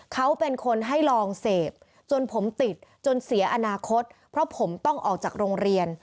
เขาเป็นคนให้ลองเสพจนผมติดจนเสียอนาคตเพราะผมต้องออกจากโรงเรียน